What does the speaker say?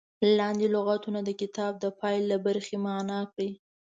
لاندې لغتونه د کتاب د پای له برخې معنا کړي.